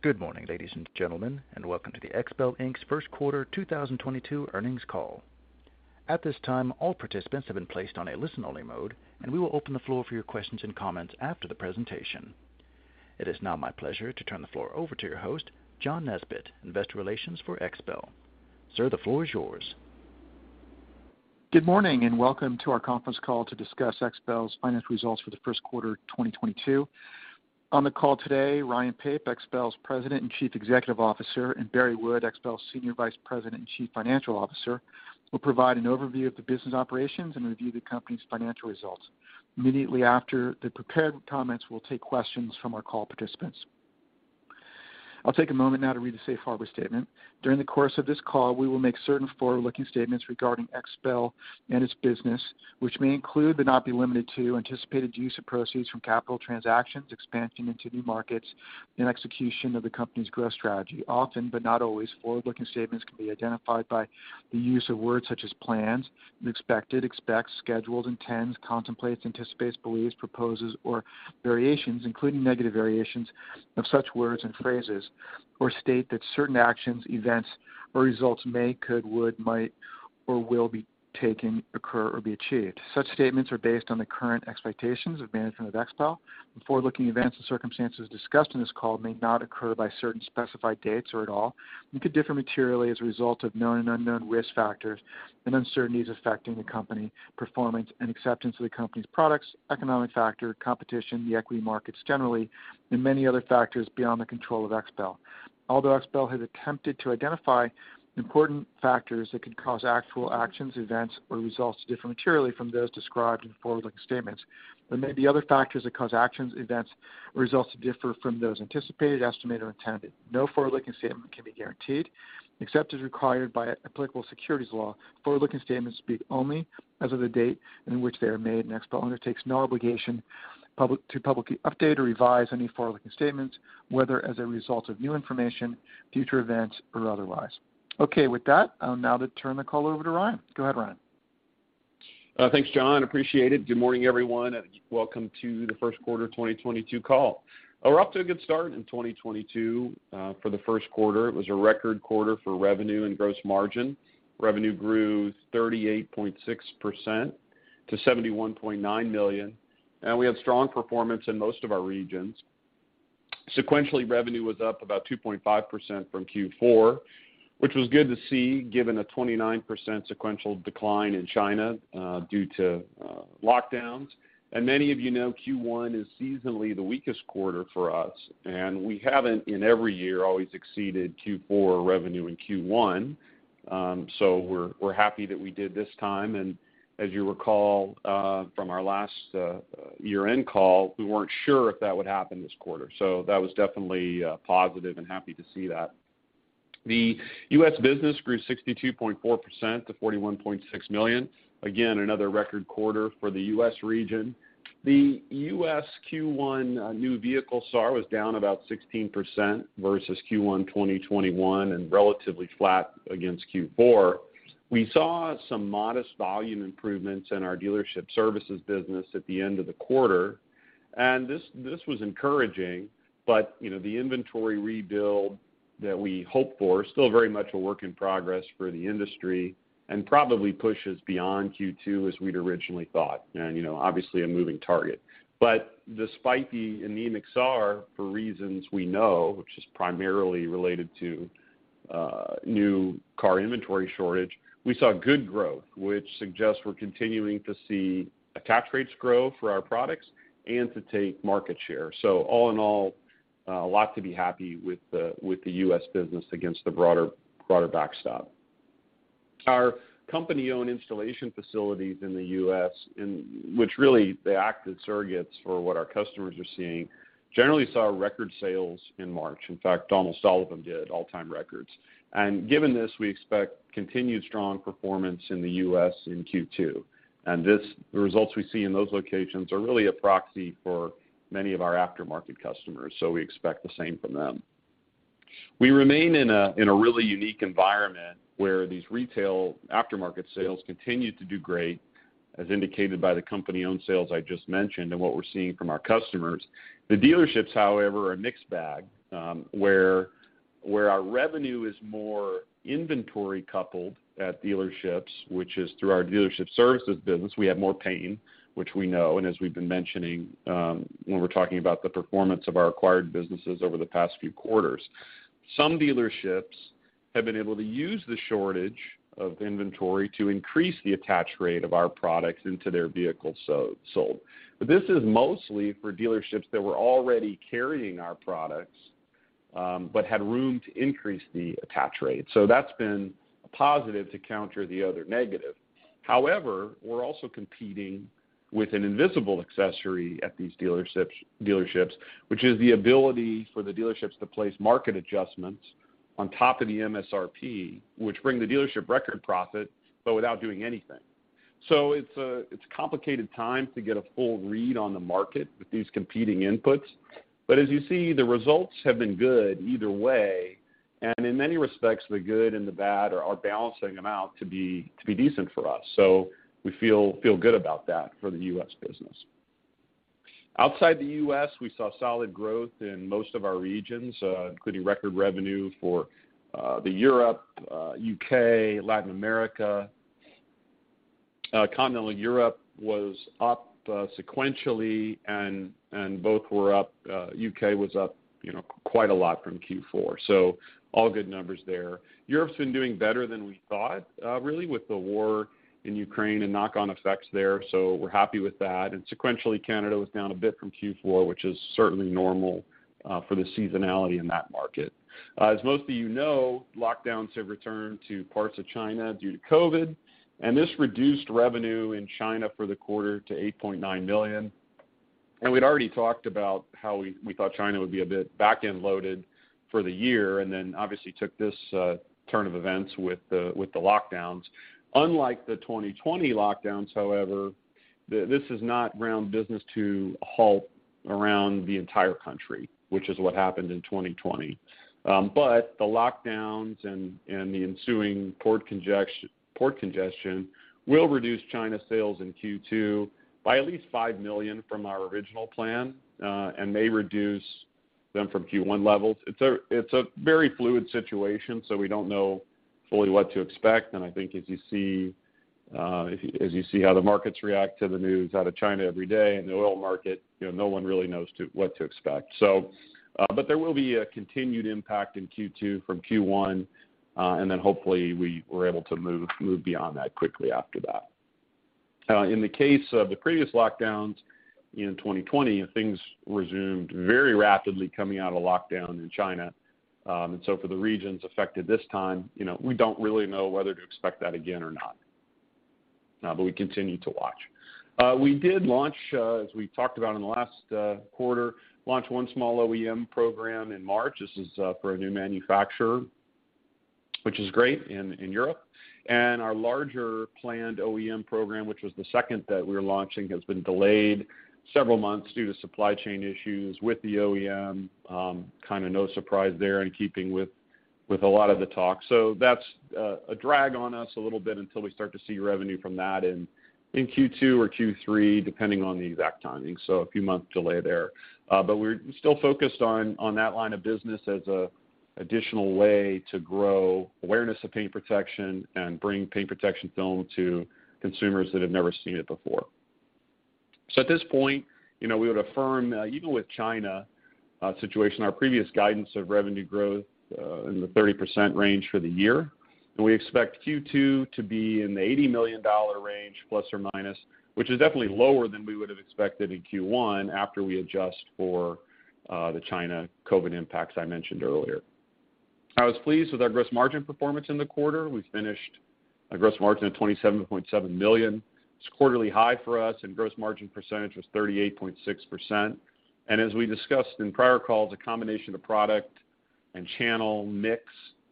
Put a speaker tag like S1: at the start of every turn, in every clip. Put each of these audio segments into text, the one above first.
S1: Good morning, ladies and gentlemen, and welcome to the XPEL, Inc.'s first quarter 2022 earnings call. At this time, all participants have been placed on a listen only mode, and we will open the floor for your questions and comments after the presentation. It is now my pleasure to turn the floor over to your host, John Nesbett, Investor Relations for XPEL. Sir, the floor is yours.
S2: Good morning, and welcome to our Conference Call to discuss XPEL's financial results for the Q1 2022. On the call today, Ryan Pape, XPEL's President and Chief Executive Officer, and Barry Wood, XPEL's Senior Vice President and Chief Financial Officer, will provide an overview of the business operations and review the company's financial results. Immediately after the prepared comments, we'll take questions from our call participants. I'll take a moment now to read the safe harbor statement. During the course of this call, we will make certain forward-looking statements regarding XPEL and its business, which may include, but not be limited to anticipated use of proceeds from capital transactions, expansion into new markets, and execution of the company's growth strategy. Often, but not always, forward-looking statements can be identified by the use of words such as plans, expected, expects, schedules, intends, contemplates, anticipates, believes, proposes, or variations, including negative variations of such words and phrases, or state that certain actions, events, or results may, could, would, might, or will be taking, occur, or be achieved. Such statements are based on the current expectations of management of XPEL. The forward-looking events and circumstances discussed in this call may not occur by certain specified dates or at all, and could differ materially as a result of known and unknown risk factors and uncertainties affecting the company, performance and acceptance of the company's products, economic factor, competition, the equity markets generally, and many other factors beyond the control of XPEL. Although XPEL has attempted to identify important factors that could cause actual actions, events, or results to differ materially from those described in forward-looking statements, there may be other factors that cause actions, events, or results to differ from those anticipated, estimated, or intended. No forward-looking statement can be guaranteed. Except as required by applicable securities law, forward-looking statements speak only as of the date in which they are made, and XPEL undertakes no obligation to publicly update or revise any forward-looking statements, whether as a result of new information, future events, or otherwise. Okay. With that, I'll now turn the call over to Ryan. Go ahead, Ryan.
S3: Thanks, Jon. Appreciate it. Good morning, everyone, and welcome to the Q1 2022 call. We're off to a good start in 2022. For the Q1, it was a record quarter for revenue and gross margin. Revenue grew 38.6% to $71.9 million, and we had strong performance in most of our regions. Sequentially, revenue was up about 2.5% from Q4, which was good to see given a 29% sequential decline in China due to lockdowns. Many of you know Q1 is seasonally the weakest quarter for us, and we haven't in every year always exceeded Q4 revenue in Q1, so we're happy that we did this time. As you recall from our last year-end call, we weren't sure if that would happen this quarter. That was definitely positive and happy to see that. The U.S. business grew 62.4% to $41.6 million. Again, another record quarter for the U.S. region. The U.S. Q1 new vehicle SAR was down about 16% versus Q1 2021 and relatively flat against Q4. We saw some modest volume improvements in our dealership services business at the end of the quarter, and this was encouraging, but you know, the inventory rebuild that we hoped for is still very much a work in progress for the industry and probably pushes beyond Q2 as we'd originally thought, and you know, obviously a moving target. Despite the anemic SAR, for reasons we know, which is primarily related to new car inventory shortage, we saw good growth, which suggests we're continuing to see attach rates grow for our products and to take market share. All in all, a lot to be happy with the U.S. business against the broader backstop. Our company-owned installation facilities in the U.S., and which really they act as surrogates for what our customers are seeing, generally saw record sales in March. In fact, Donald Sullivan did all-time records. Given this, we expect continued strong performance in the U.S. in Q2. This, the results we see in those locations are really a proxy for many of our aftermarket customers, so we expect the same from them. We remain in a really unique environment where these retail aftermarket sales continue to do great, as indicated by the company-owned sales I just mentioned and what we're seeing from our customers. The dealerships, however, are a mixed bag, where our revenue is more inventory coupled at dealerships, which is through our dealership services business, we have more pain, which we know, and as we've been mentioning, when we're talking about the performance of our acquired businesses over the past few quarters. Some dealerships have been able to use the shortage of inventory to increase the attach rate of our products into their vehicles sold. This is mostly for dealerships that were already carrying our products, but had room to increase the attach rate. That's been a positive to counter the other negative. However, we're also competing with an invisible accessory at these dealerships, which is the ability for the dealerships to place market adjustments on top of the MSRP, which bring the dealership record profit, but without doing anything. It's a complicated time to get a full read on the market with these competing inputs. As you see, the results have been good either way, and in many respects, the good and the bad are balancing them out to be decent for us. We feel good about that for the U.S. business. Outside the U.S., we saw solid growth in most of our regions, including record revenue for the Europe, UK, Latin America. Continental Europe was up sequentially, and both were up, UK was up, you know, quite a lot from Q4. All good numbers there. Europe's been doing better than we thought, really with the war in Ukraine and knock-on effects there. We're happy with that. Sequentially, Canada was down a bit from Q4, which is certainly normal, for the seasonality in that market. As most of you know, lockdowns have returned to parts of China due to COVID, and this reduced revenue in China for the quarter to $8.9 million. We'd already talked about how we thought China would be a bit back-end loaded for the year and then obviously took this turn of events with the lockdowns. Unlike the 2020 lockdowns, however, this has not ground business to a halt around the entire country, which is what happened in 2020. The lockdowns and the ensuing port congestion will reduce China sales in Q2 by at least $5 million from our original plan, and may reduce them from Q1 levels. It's a very fluid situation, so we don't know fully what to expect. I think as you see how the markets react to the news out of China every day and the oil market, you know, no one really knows what to expect. There will be a continued impact in Q2 from Q1, and then hopefully we're able to move beyond that quickly after that. In the case of the previous lockdowns in 2020, things resumed very rapidly coming out of lockdown in China. For the regions affected this time, you know, we don't really know whether to expect that again or not. We continue to watch. We did launch, as we talked about in the last quarter, one small OEM program in March. This is for a new manufacturer, which is great in Europe. Our larger planned OEM program, which was the second that we're launching, has been delayed several months due to supply chain issues with the OEM. Kind of no surprise there in keeping with a lot of the talk. That's a drag on us a little bit until we start to see revenue from that in Q2 or Q3, depending on the exact timing. A few month delay there. We're still focused on that line of business as an additional way to grow awareness of paint protection and bring paint protection film to consumers that have never seen it before. At this point, you know, we would affirm even with China situation, our previous guidance of revenue growth in the 30% range for the year. We expect Q2 to be in the $80 million range, plus or minus, which is definitely lower than we would have expected in Q1 after we adjust for the China COVID impacts I mentioned earlier. I was pleased with our gross margin performance in the quarter. We finished a gross margin of $27.7 million. It's quarterly high for us, and gross margin percentage was 38.6%. As we discussed in prior calls, a combination of product and channel mix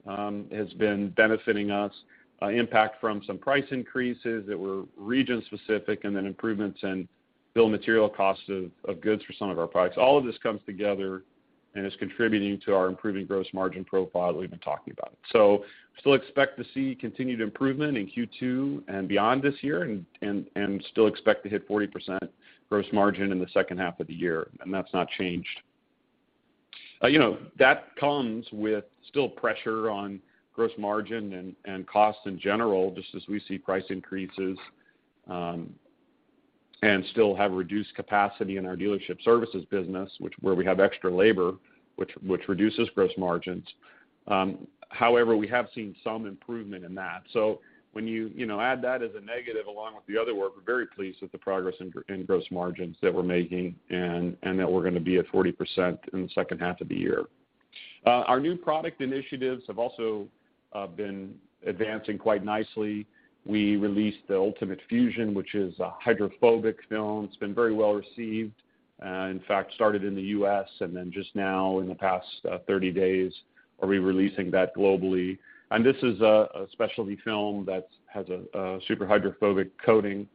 S3: has been benefiting us. Impact from some price increases that were region-specific and then improvements in bill of materials costs of goods for some of our products. All of this comes together and is contributing to our improving gross margin profile we've been talking about. Still expect to see continued improvement in Q2 and beyond this year and still expect to hit 40% gross margin in the second half of the year, and that's not changed. You know, that comes with still pressure on gross margin and costs in general, just as we see price increases and still have reduced capacity in our dealership services business, which, where we have extra labor, which reduces gross margins. However, we have seen some improvement in that. When you know, add that as a negative along with the other work, we're very pleased with the progress in gross margins that we're making and that we're gonna be at 40% in the second half of the year. Our new product initiatives have also been advancing quite nicely. We released the ULTIMATE FUSION, which is a hydrophobic film. It's been very well-received. In fact, started in the U.S., and then just now in the past 30 days we are releasing that globally. This is a specialty film that has a super hydrophobic coating,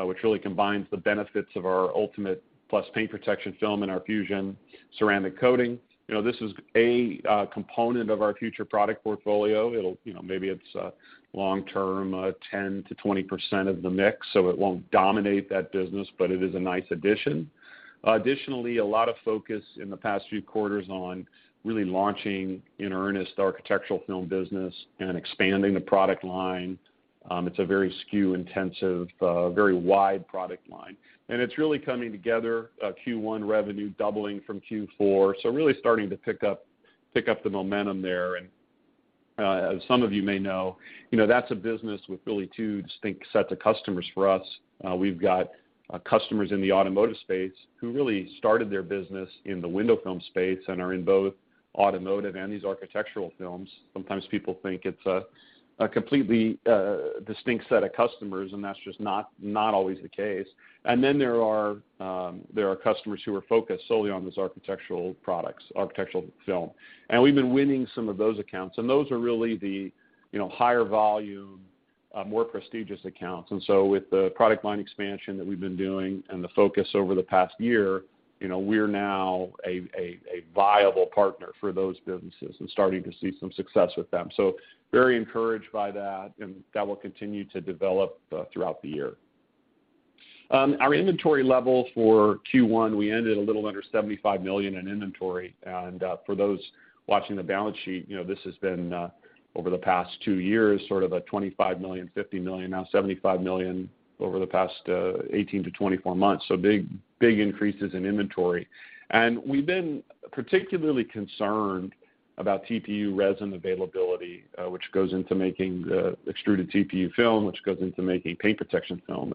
S3: which really combines the benefits of our ULTIMATE PLUS paint protection film and our FUSION PLUS ceramic coating. You know, this is a component of our future product portfolio. It'll, you know, maybe it's a long-term, 10%-20% of the mix, so it won't dominate that business, but it is a nice addition. Additionally, a lot of focus in the past few quarters on really launching in earnest architectural film business and expanding the product line. It's a very SKU-intensive, very wide product line, and it's really coming together. Q1 revenue doubling from Q4, so really starting to pick up the momentum there. As some of you may know, you know, that's a business with really two distinct sets of customers for us. We've got customers in the automotive space who really started their business in the window film space and are in both automotive and these architectural films. Sometimes people think it's a completely distinct set of customers, and that's just not always the case. Then there are customers who are focused solely on those architectural products, architectural film. We've been winning some of those accounts, and those are really the, you know, higher-volume more prestigious accounts. With the product line expansion that we've been doing and the focus over the past year, you know, we're now a viable partner for those businesses and starting to see some success with them. Very encouraged by that, and that will continue to develop throughout the year. Our inventory levels for Q1, we ended a little under $75 million in inventory. For those watching the balance sheet, you know, this has been over the past two years, sort of a $25 million, $50 million, now $75 million over the past 18-24 months. Big increases in inventory. We've been particularly concerned about TPU resin availability, which goes into making extruded TPU film, which goes into making paint protection film.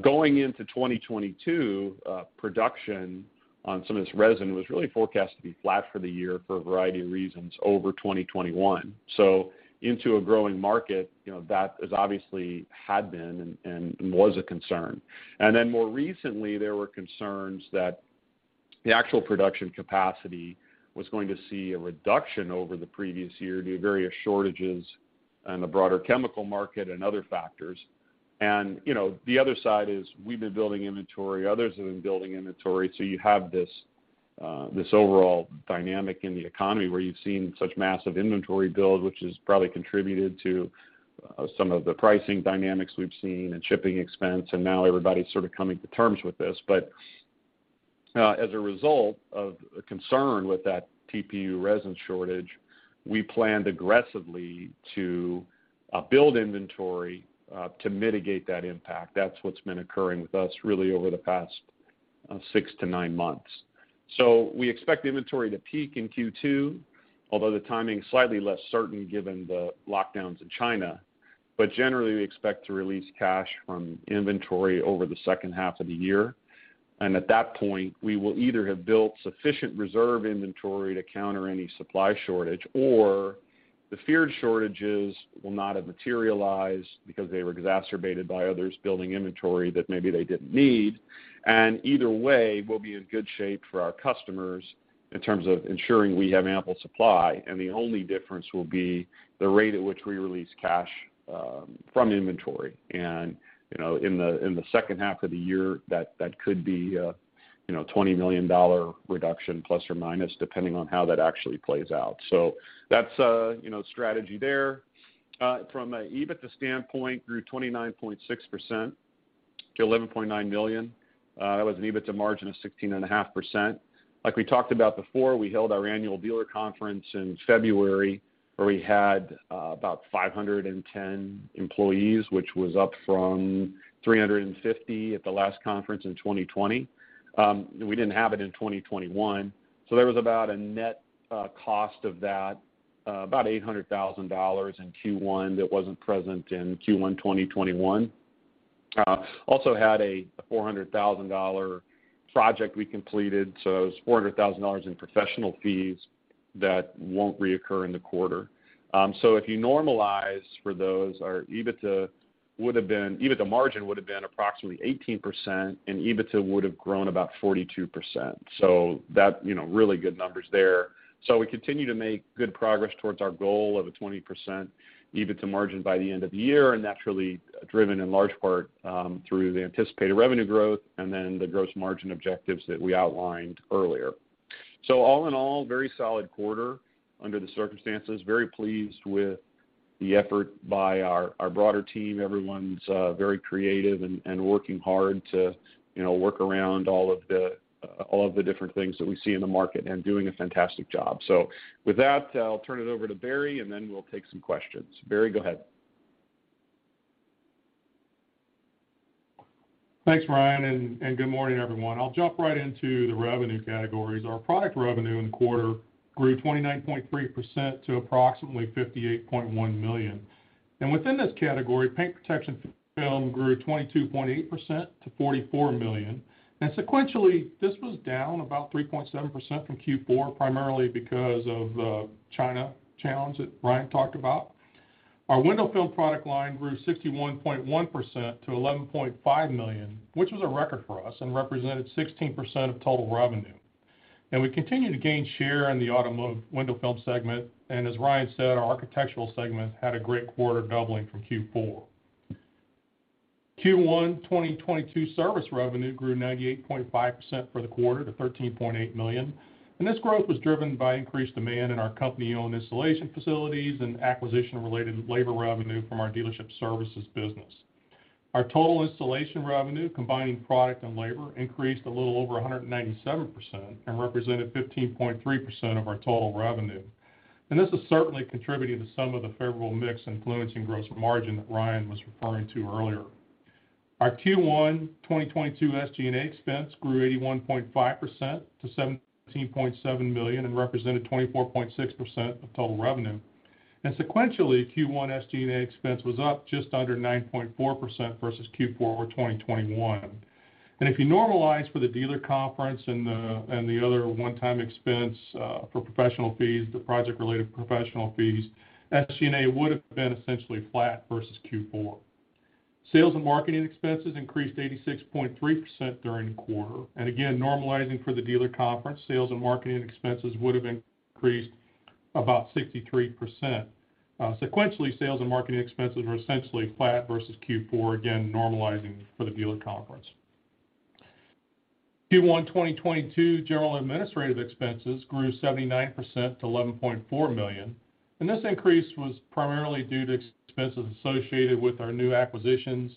S3: Going into 2022, production on some of this resin was really forecast to be flat for the year for a variety of reasons over 2021. Into a growing market, you know, that is obviously had been and was a concern. More recently, there were concerns that the actual production capacity was going to see a reduction over the previous year due to various shortages in the broader chemical market and other factors. You know, the other side is we've been building inventory, others have been building inventory, so you have this overall dynamic in the economy where you've seen such massive inventory build, which has probably contributed to, some of the pricing dynamics we've seen and shipping expense, and now everybody's sort of coming to terms with this. As a result of a concern with that TPU resin shortage, we planned aggressively to build inventory to mitigate that impact. That's what's been occurring with us really over the past, six to nine months. We expect inventory to peak in Q2, although the timing's slightly less certain given the lockdowns in China. Generally, we expect to release cash from inventory over the second half of the year. At that point, we will either have built sufficient reserve inventory to counter any supply shortage, or the feared shortages will not have materialized because they were exacerbated by others building inventory that maybe they didn't need. Either way, we'll be in good shape for our customers in terms of ensuring we have ample supply. The only difference will be the rate at which we release cash from inventory. You know, in the second half of the year, that could be, you know, $20 million reduction plus or minus, depending on how that actually plays out. That's, you know, the strategy there. From an EBITDA standpoint, grew 29.6% to $11.9 million. That was an EBITDA margin of 16.5%. Like we talked about before, we held our annual dealer conference in February, where we had about 510 employees, which was up from 350 at the last conference in 2020. We didn't have it in 2021. There was about a net cost of that, about $800 thousand in Q1 that wasn't present in Q1 2021. Also had a $400 thousand dollar project we completed, so it was $400 thousand in professional fees that won't reoccur in the quarter. If you normalize for those, our EBITDA would have been, EBITDA margin would have been approximately 18%, and EBITDA would have grown about 42%. That, you know, really good numbers there. We continue to make good progress towards our goal of a 20% EBITDA margin by the end of the year, and naturally driven in large part through the anticipated revenue growth and then the gross margin objectives that we outlined earlier. All in all, very solid quarter under the circumstances. Very pleased with the effort by our broader team. Everyone's very creative and working hard to you know work around all of the different things that we see in the market and doing a fantastic job. With that, I'll turn it over to Barry, and then we'll take some questions. Barry, go ahead.
S4: Thanks, Ryan, and good morning, everyone. I'll jump right into the revenue categories. Our product revenue in the quarter grew 29.3% to approximately $58.1 million. Within this category, paint protection film grew 22.8% to $44 million. Sequentially, this was down about 3.7% from Q4, primarily because of the China challenge that Ryan talked about. Our window film product line grew 61.1% to $11.5 million, which was a record for us and represented 16% of total revenue. We continue to gain share in the automotive window film segment. As Ryan said, our architectural segment had a great quarter doubling from Q4. Q1 2022 service revenue grew 98.5% for the quarter to $13.8 million. This growth was driven by increased demand in our company-owned installation facilities and acquisition-related labor revenue from our dealership services business. Our total installation revenue, combining product and labor, increased a little over 197% and represented 15.3% of our total revenue. This is certainly contributing to some of the favorable mix influencing gross margin that Ryan was referring to earlier. Our Q1 2022 SG&A expense grew 81.5% to $17.7 million and represented 24.6% of total revenue. Sequentially, Q1 SG&A expense was up just under 9.4% versus Q4 of 2021. If you normalize for the dealer conference and the other one-time expense for professional fees, the project-related professional fees, SG&A would have been essentially flat versus Q4. Sales and marketing expenses increased 86.3% during the quarter. Again, normalizing for the dealer conference, sales and marketing expenses would have increased about 63%. Sequentially, sales and marketing expenses were essentially flat versus Q4, again normalizing for the dealer conference. Q1 2022 general administrative expenses grew 79% to $11.4 million, and this increase was primarily due to expenses associated with our new acquisitions,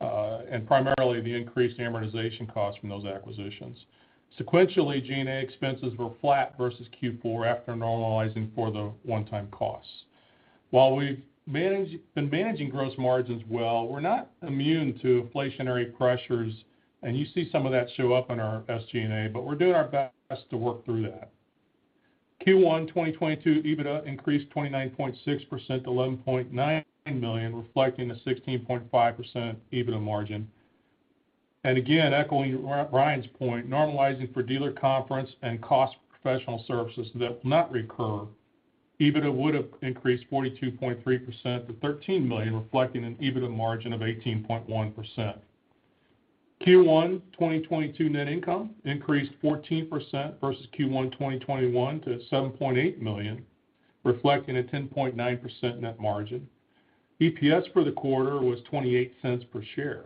S4: and primarily the increased amortization costs from those acquisitions. Sequentially, G&A expenses were flat versus Q4 after normalizing for the one-time costs. While we've been managing gross margins well, we're not immune to inflationary pressures, and you see some of that show up in our SG&A, but we're doing our best to work through that. Q1 2022 EBITDA increased 29.6% to $11.9 million, reflecting a 16.5% EBITDA margin. Again, echoing Ryan's point, normalizing for dealer conference and cost professional services that will not recur, EBITDA would have increased 42.3% to $13 million, reflecting an EBITDA margin of 18.1%. Q1 2022 net income increased 14% versus Q1 2021 to $7.8 million, reflecting a 10.9% net margin. EPS for the quarter was $0.28 per share.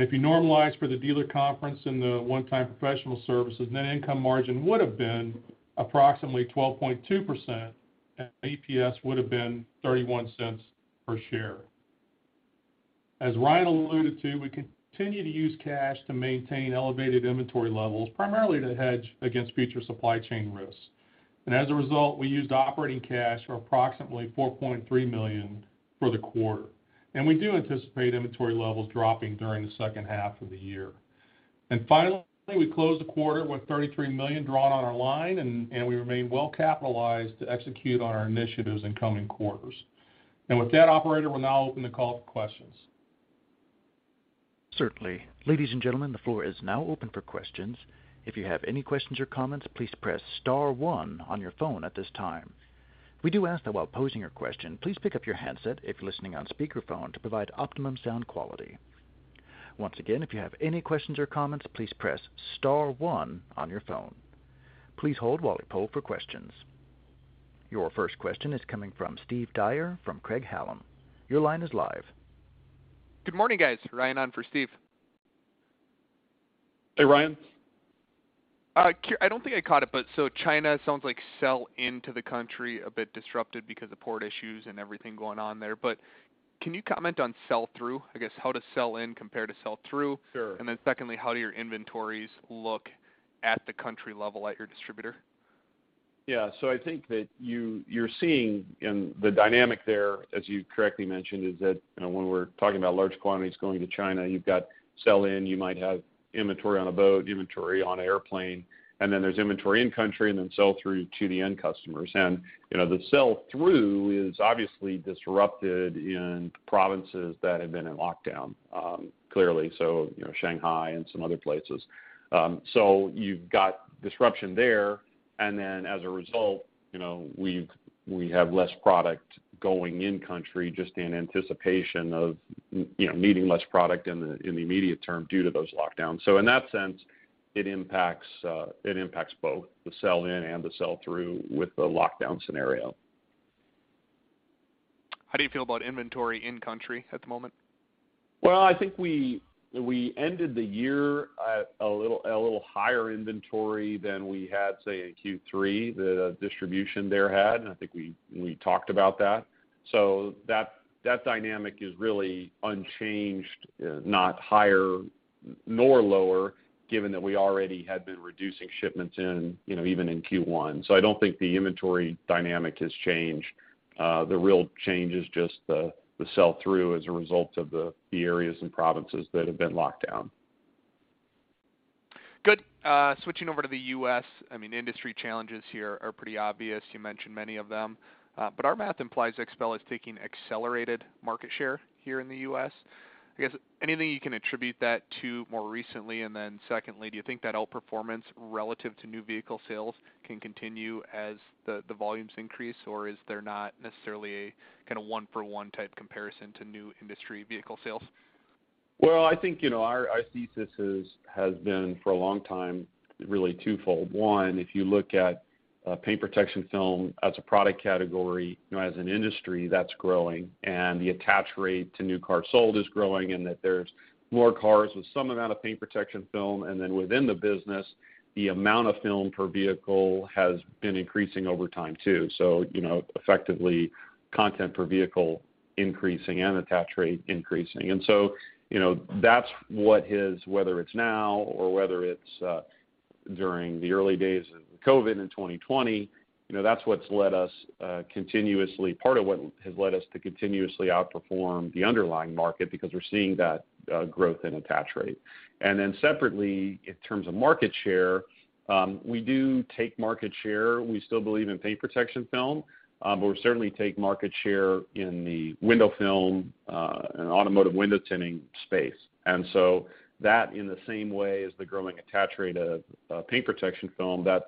S4: If you normalize for the dealer conference and the one-time professional services, net income margin would have been approximately 12.2%, and EPS would have been $0.31 per share. As Ryan alluded to, we continue to use cash to maintain elevated inventory levels, primarily to hedge against future supply chain risks. As a result, we used operating cash for approximately $4.3 million for the quarter. We do anticipate inventory levels dropping during the second half of the year. Finally, we closed the quarter with $33 million drawn on our line, and we remain well-capitalized to execute on our initiatives in coming quarters. With that, operator, we'll now open the call for questions.
S1: Certainly. Ladies and gentlemen, the floor is now open for questions. If you have any questions or comments, please press star one on your phone at this time. We do ask that while posing your question, please pick up your handset if you're listening on speakerphone to provide optimum sound quality. Once again, if you have any questions or comments, please press star one on your phone. Please hold while we poll for questions. Your first question is coming from Steve Dyer from Craig-Hallum. Your line is live.
S5: Good morning, guys. Ryan on for Steve.
S3: Hey, Ryan.
S5: I don't think I caught it, but so China sounds like sell into the country a bit disrupted because of port issues and everything going on there. Can you comment on sell through? I guess how does sell in compare to sell through?
S3: Sure.
S6: Secondly, how do your inventories look at the country level at your distributor?
S3: Yeah. I think that you're seeing in the dynamic there, as you correctly mentioned, is that, you know, when we're talking about large quantities going to China, you've got sell in. You might have inventory on a boat, inventory on an airplane, and then there's inventory in country and then sell through to the end customers. You know, the sell through is obviously disrupted in provinces that have been in lockdown, clearly, you know, Shanghai and some other places. You've got disruption there, and then as a result, you know, we have less product going in country just in anticipation of you know, needing less product in the, in the immediate term due to those lockdowns. In that sense, it impacts both the sell in and the sell through with the lockdown scenario.
S6: How do you feel about inventory in country at the moment?
S3: Well, I think we ended the year at a little higher-inventory than we had, say, in Q3, the distribution there had, and I think we talked about that. That dynamic is really unchanged, not higher nor lower, given that we already had been reducing shipments in, you know, even in Q1. I don't think the inventory dynamic has changed. The real change is just the sell through as a result of the areas and provinces that have been locked down.
S6: Good. Switching over to the U.S., I mean, industry challenges here are pretty obvious. You mentioned many of them. Our math implies XPEL is taking accelerated market share here in the U.S. I guess, anything you can attribute that to more recently? Then secondly, do you think that outperformance relative to new vehicle sales can continue as the volumes increase, or is there not necessarily a kind of one for one type comparison to new industry vehicle sales?
S3: Well, I think, you know, our thesis has been for a long time really twofold. One, if you look at paint protection film as a product category, you know, as an industry, that's growing, and the attach rate to new cars sold is growing, and that there's more cars with some amount of paint protection film, and then within the business, the amount of film per vehicle has been increasing over time, too. You know, effectively, content per vehicle increasing and attach rate increasing. You know, that's what is, whether it's now or whether it's during the early days of COVID in 2020, you know, that's what's led us continuously, part of what has led us to continuously outperform the underlying market because we're seeing that growth in attach rate. Then separately, in terms of market share, we do take market share. We still believe in paint protection film, but we certainly take market share in the window film and automotive window tinting space. That in the same way as the growing attach rate of paint protection film, that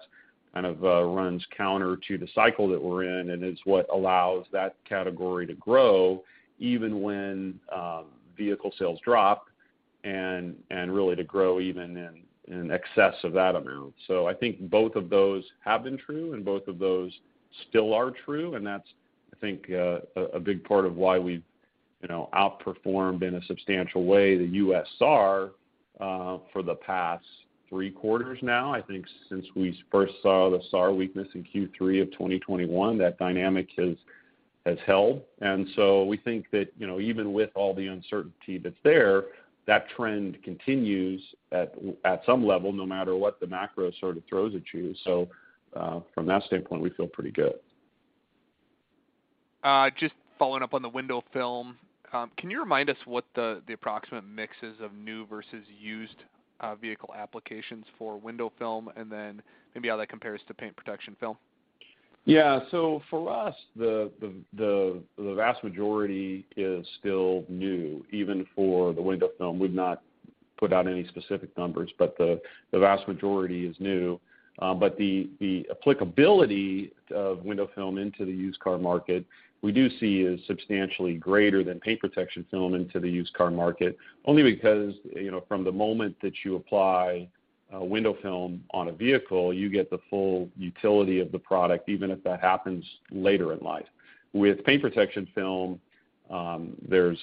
S3: kind of runs counter to the cycle that we're in and is what allows that category to grow even when vehicle sales drop and really to grow even in excess of that amount. I think both of those have been true, and both of those still are true. That's, I think, a big part of why we've you know, outperformed in a substantial way the US SAR for the past three quarters now. I think since we first saw the SAR weakness in Q3 of 2021, that dynamic has held. We think that, you know, even with all the uncertainty that's there, that trend continues at some level, no matter what the macro sort of throws at you. From that standpoint, we feel pretty good.
S6: Just following-up on the window film. Can you remind us what the approximate mixes of new versus used vehicle applications for window film, and then maybe how that compares to paint protection film?
S3: Yeah. For us, the vast majority is still new, even for the window film. We've not put out any specific numbers, but the vast majority is new. The applicability of window film into the used car market, we do see is substantially greater than paint protection film into the used car market, only because, you know, from the moment that you apply a window film on a vehicle, you get the full utility of the product, even if that happens later in life. With paint protection film, there's,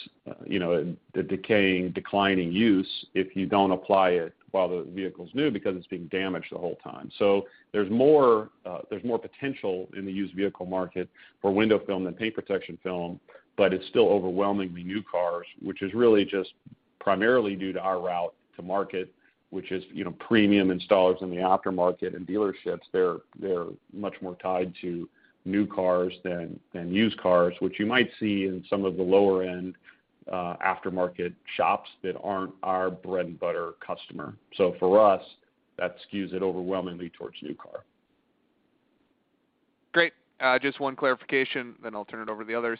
S3: you know, the decaying, declining use if you don't apply it while the vehicle's new because it's being damaged the whole time. There's more potential in the used vehicle market for window film than paint protection film, but it's still overwhelmingly new cars, which is really just primarily due to our route to market, which is, you know, premium installers in the aftermarket and dealerships. They're much more tied to new cars than used cars, which you might see in some of the lower-end aftermarket shops that aren't our bread and butter customer. For us, that skews it overwhelmingly towards new car.
S6: Great. Just one clarification, then I'll turn it over to the others.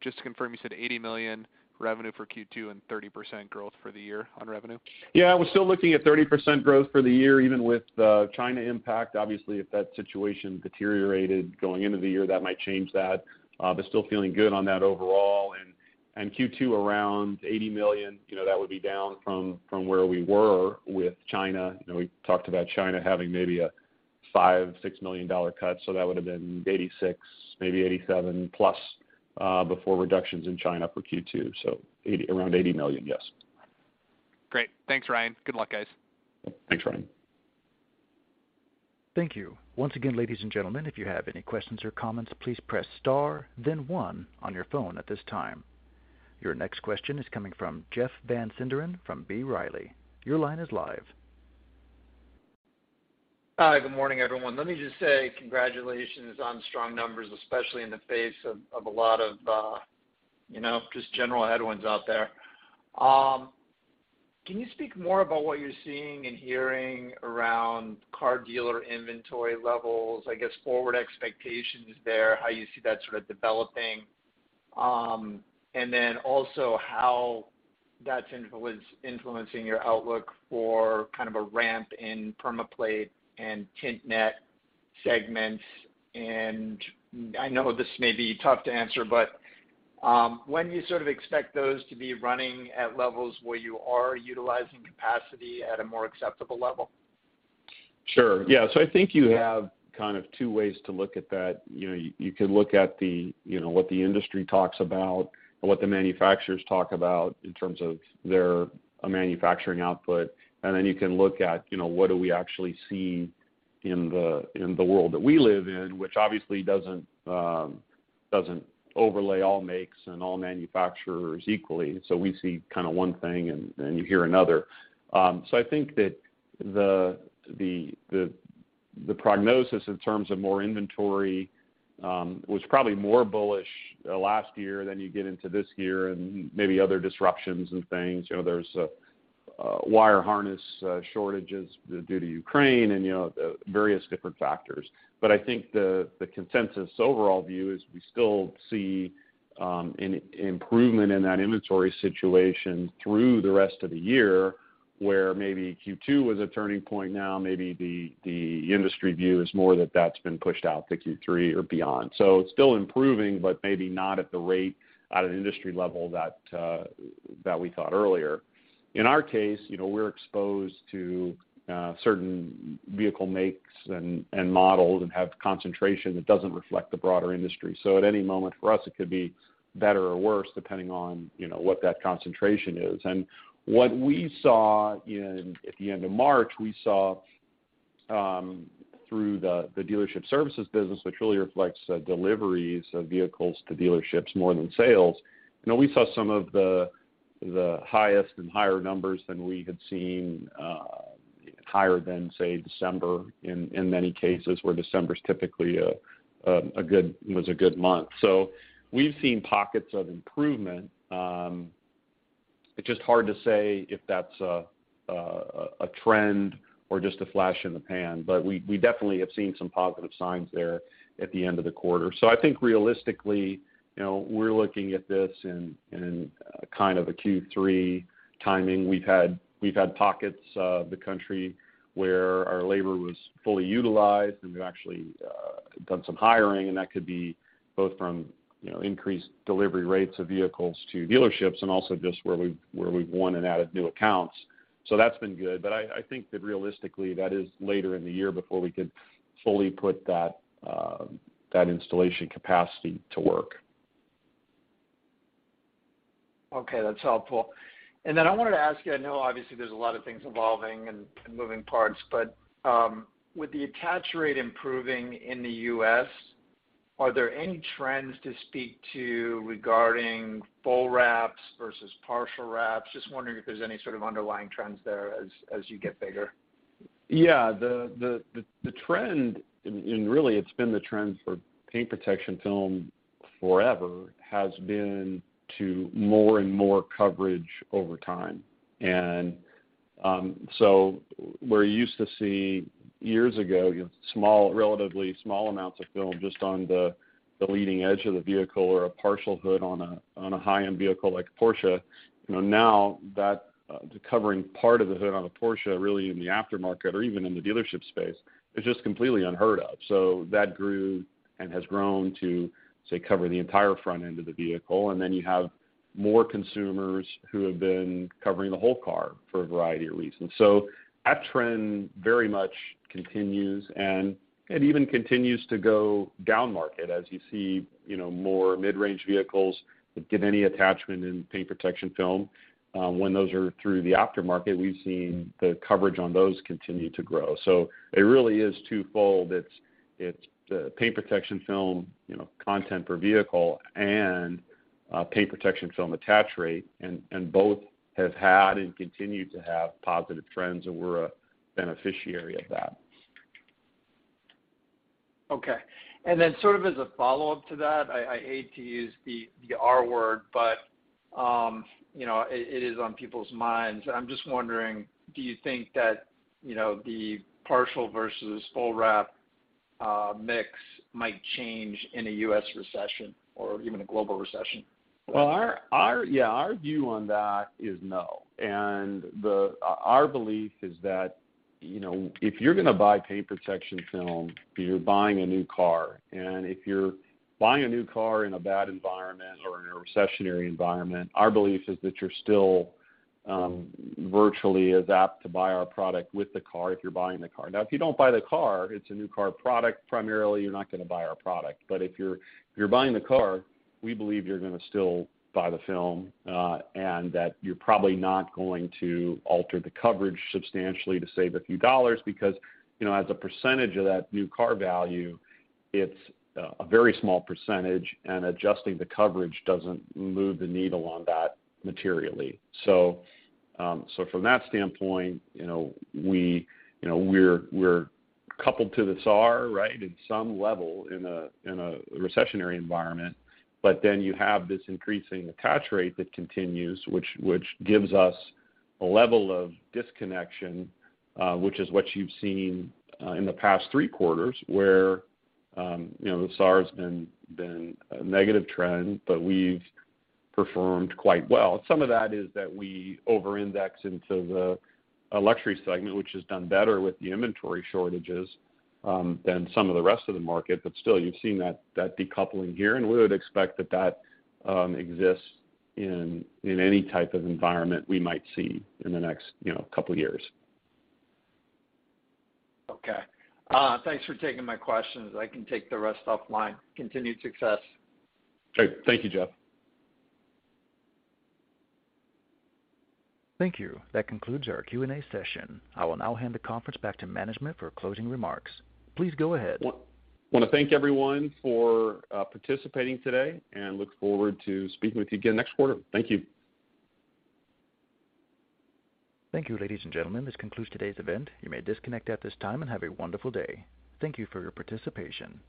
S6: Just to confirm, you said $80 million revenue for Q2 and 30% growth for the year on revenue?
S3: Yeah. We're still looking at 30% growth for the year, even with the China impact. Obviously, if that situation deteriorated going into the year, that might change that. But still feeling good on that overall. Q2 around $80 million, you know, that would be down from where we were with China. You know, we talked about China having maybe a $5-$6 million cut. That would have been $86-$87+, before reductions in China for Q2. Around $80 million, yes.
S6: Great. Thanks, Ryan. Good luck, guys.
S3: Thanks, Ryan.
S1: Thank you. Once again, ladies and gentlemen, if you have any questions or comments, please press star then one on your phone at this time. Your next question is coming from Jeff Van Sinderen from B. Riley. Your line is live.
S7: Hi. Good morning, everyone. Let me just say congratulations on strong numbers, especially in the face of a lot of, you know, just general headwinds out there. Can you speak more about what you're seeing and hearing around car dealer inventory levels? I guess forward expectations there, how you see that sort of developing. And then also how that's influencing your outlook for kind of a ramp in PermaPlate and Tint Net segments. I know this may be tough to answer, but, when you sort of expect those to be running at levels where you are utilizing capacity at a more acceptable level?
S3: Sure. Yeah. I think you have kind of two ways to look at that. You know, you could look at the, you know, what the industry talks about and what the manufacturers talk about in terms of their manufacturing output. And then you can look at, you know, what do we actually see in the world that we live in, which obviously doesn't overlay all makes and all manufacturers equally. We see kind of one thing and you hear another. I think that the prognosis in terms of more inventory was probably more bullish last year than you get into this year and maybe other disruptions and things. You know, there's wire harness shortages due to Ukraine and, you know, various different factors. I think the consensus overall view is we still see an improvement in that inventory situation through the rest of the year, where maybe Q2 was a turning point now. Maybe the industry view is more that that's been pushed out to Q3 or beyond. So it's still improving, but maybe not at the rate at an industry level that that we thought earlier. In our case, you know, we're exposed to certain vehicle makes and models and have concentration that doesn't reflect the broader industry. So at any moment for us, it could be better or worse depending on, you know, what that concentration is. What we saw at the end of March, we saw through the dealership services business, which really reflects deliveries of vehicles to dealerships more than sales. You know, we saw some of the highest and higher numbers than we had seen, higher than, say, December in many cases where December's typically was a good month. We've seen pockets of improvement. It's just hard to say if that's a trend or just a flash in the pan. We definitely have seen some positive signs there at the end of the quarter. I think realistically, you know, we're looking at this in kind of a Q3 timing. We've had pockets of the country where our labor was fully utilized, and we've actually done some hiring, and that could be both from, you know, increased delivery rates of vehicles to dealerships and also just where we've won and added new accounts. That's been good. I think that realistically, that is later in the year before we could fully put that installation capacity to work.
S7: Okay, that's helpful. I wanted to ask you, I know obviously there's a lot of things evolving and moving parts, but with the attach rate improving in the U.S., are there any trends to speak to regarding full wraps versus partial wraps? Just wondering if there's any sort of underlying trends there as you get bigger.
S3: Yeah. The trend, and really it's been the trend for paint protection film forever, has been to more and more coverage over time. Where you used to see years ago, you know, relatively small amounts of film just on the leading edge of the vehicle or a partial hood on a high-end vehicle like a Porsche, you know, now that covering part of the hood on a Porsche really in the aftermarket or even in the dealership space is just completely unheard of. That grew and has grown to, say, cover the entire front end of the vehicle, and then you have more consumers who have been covering the whole car for a variety of reasons. That trend very much continues, and it even continues to go downmarket, as you see, you know, more mid-range vehicles that get any attachment in paint protection film. When those are through the aftermarket, we've seen the coverage on those continue to grow. It really is twofold. It's paint protection film, you know, content per vehicle and paint protection film attach rate, and both have had and continue to have positive trends, and we're a beneficiary of that.
S7: Okay. Sort of as a follow-up to that, I hate to use the R word, but, you know, it is on people's minds, and I'm just wondering, do you think that, you know, the partial versus full wrap mix might change in a US recession or even a global recession?
S3: Well, our view on that is no. Our belief is that, you know, if you're gonna buy paint protection film, you're buying a new car. If you're buying a new car in a bad environment or in a recessionary environment, our belief is that you're still virtually as apt to buy our product with the car if you're buying the car. Now, if you don't buy the car, it's a new car product, primarily, you're not gonna buy our product. If you're buying the car, we believe you're gonna still buy the film, and that you're probably not going to alter the coverage substantially to save a few dollars because, you know, as a percentage of that new car value, it's a very small percentage, and adjusting the coverage doesn't move the needle on that materially. From that standpoint, you know, we, you know, we're coupled to the SAR, right, at some level in a recessionary environment. Then you have this increasing attach rate that continues, which gives us a level of disconnection, which is what you've seen in the past three quarters, where you know, the SAR has been a negative trend, but we've performed quite well. Some of that is that we over-index into the luxury segment, which has done better with the inventory shortages than some of the rest of the market. Still, you've seen that decoupling here, and we would expect that that exists in any type of environment we might see in the next, you know, couple years.
S7: Okay. Thanks for taking my questions. I can take the rest offline. Continued success.
S3: Great. Thank you, Jeff.
S1: Thank you. That concludes our Q&A session. I will now hand the conference back to management for closing remarks. Please go ahead.
S3: Wanna thank everyone for participating today and look forward to speaking with you again next quarter. Thank you.
S1: Thank you, ladies and gentlemen. This concludes today's event. You may disconnect at this time, and have a wonderful day. Thank you for your participation.